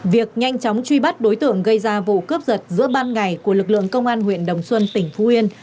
việc nhanh chóng truy bắt đối tượng gây ra vụ cướp giật giữa ban ngày của lực lượng công an huyện đồng xuân tỉnh phú yên